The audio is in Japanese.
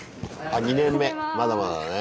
あ２年目まだまだだね。